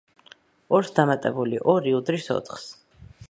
ორს დამატებული ორი უდრის ოთხს.